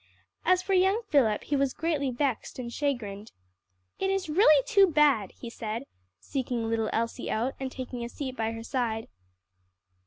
As for young Philip he was greatly vexed and chagrined. "It is really too bad!" he said seeking little Elsie out, and taking a seat by her side.